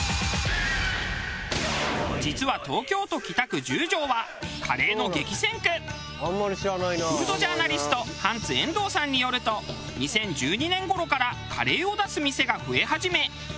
実は東京都北区フードジャーナリストはんつ遠藤さんによると２０１２年頃からカレーを出す店が増え始め。